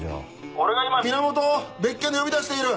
俺が今源を別件で呼び出している。